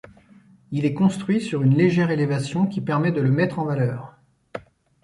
Il est construit sur une légère élévation qui permet de le mettre en valeur.